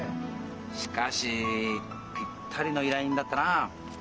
しかしぴったりの依頼人だったな。